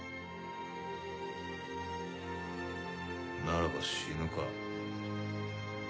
ならば死ぬか？